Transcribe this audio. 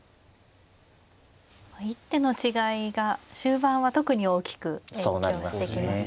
一手の違いが終盤は特に大きく影響してきますね。